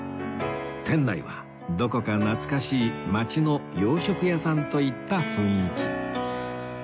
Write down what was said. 店内はどこか懐かしい町の洋食屋さんといった雰囲気